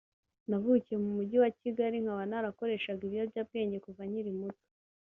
”Navukiye mu mujyi wa Kigali nkaba narakoreshaga ibiyobyabwenge kuva nkiri muto